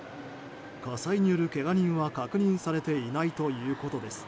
火災によるけが人は確認されていないということです。